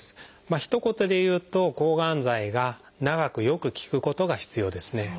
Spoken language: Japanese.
ひと言で言うと抗がん剤が長くよく効くことが必要ですね。